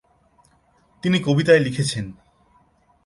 তিনি কবিতায় লিখেছেন।